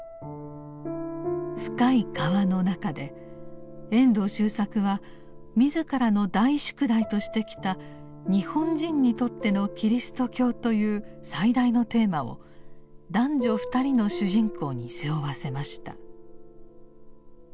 「深い河」の中で遠藤周作は自らの「大宿題」としてきた「日本人にとってのキリスト教」という最大のテーマを男女二人の主人公に背負わせました。